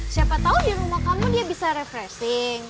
siapa tahu di rumah kamu dia bisa refreshing